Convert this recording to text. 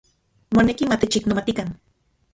Moneki matechiknomatikan.